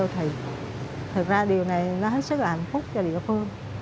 thì thực ra điều này nó hết sức là hạnh phúc cho địa phương